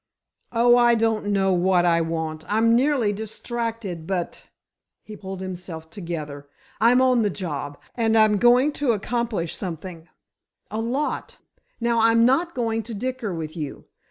"Oh, I don't know what I want! I'm nearly distracted. But"—he pulled himself together—"I'm on the job! And I'm going to accomplish something—a lot! Now, I'm not going to dicker with you.